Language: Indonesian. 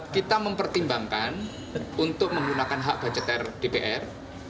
kita mempertimbangkan untuk menggunakan hak budgeter dpr